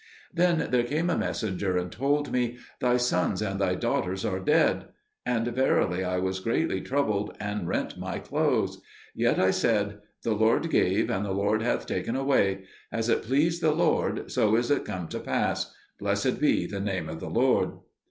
Then there came a messenger and told me, "Thy sons and thy daughters are dead." And verily I was greatly troubled, and rent my clothes. Yet I said, "The Lord gave, and the Lord hath taken away: as it pleased the Lord, so is it come to pass: blessed be the name of the Lord."